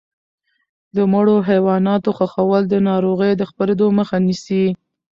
د مړو حیواناتو ښخول د ناروغیو د خپرېدو مخه نیسي.